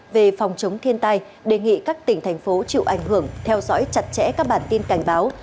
về phòng chống thiên tai đề nghị các tỉnh thành phố chịu ảnh hưởng theo dõi chặt chẽ các bản tin cảnh báo